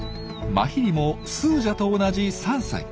マヒリもスージャと同じ３歳。